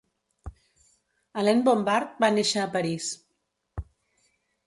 Alain Bombard va néixer a París.